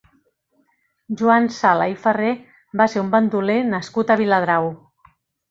Joan Sala i Ferrer va ser un bandoler nascut a Viladrau.